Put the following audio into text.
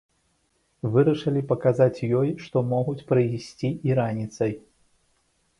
Вырашылі паказаць ёй, што могуць прыйсці і раніцай.